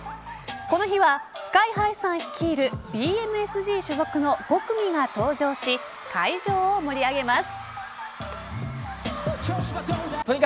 この日はＳＫＹ−ＨＩさん率いるＢＭＳＧ所属の５組が登場し会場を盛り上げます。